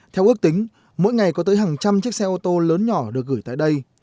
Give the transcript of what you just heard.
theo ước tính mỗi ngày có tới hàng trăm chiếc xe ô tô lớn nhỏ được gửi tại đây